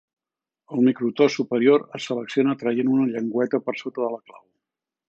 El microtò superior es selecciona traient una llengüeta per sota de la clau.